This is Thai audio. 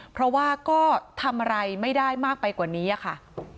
เพราะว่าก็ทำอะไรไม่ได้มากไปกว่านี้ค่ะ